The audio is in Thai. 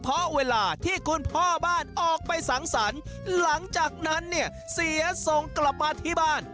เพราะเวลาที่คุณพ่อบ้านออกไปสังสรรค์หลังจากนั้นเนี่ยเสียส่งกลับมาที่บ้าน